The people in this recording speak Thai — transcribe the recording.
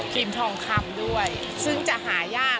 ทองคำด้วยซึ่งจะหายาก